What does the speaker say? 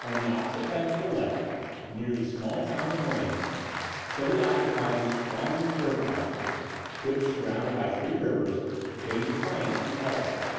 On the opposite bank of the Lech, near the small town of Rain, Tilly occupied a strongly fortified camp, which, surrounded by three rivers, bade defiance to all attack.